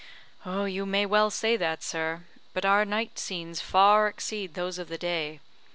"You may well say that, sir but our night scenes far exceed those of the day.